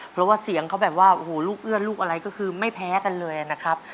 เพราะว่าเสียงเขาแบบว่าโอ้โหลูกเอื้อนลูกอะไรก็คือไม่แพ้กันเลยนะครับ